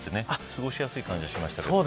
過ごしやすい感じはしましたけど。